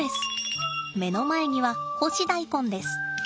目の前には干し大根です。